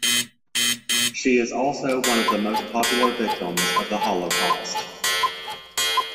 She is also one of the most popular victims of the holocaust.